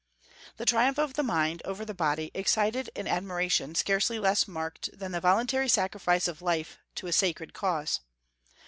The triumph of the mind over the body excited an admiration scarcely less marked than the voluntary sacrifice of life to a sacred cause.